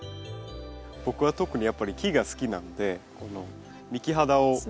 僕は特にやっぱり木が好きなので幹肌を。